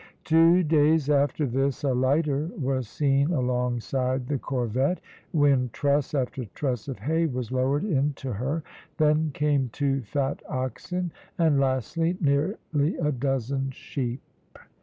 Two days after this a lighter was seen alongside the corvette, when truss after truss of hay was lowered into her. Then came two fat oxen and lastly, nearly a dozen sheep.